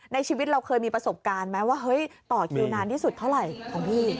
ชีวิตเราเคยมีประสบการณ์ไหมว่าเฮ้ยต่อคิวนานที่สุดเท่าไหร่ของพี่